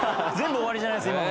全部終わりじゃないです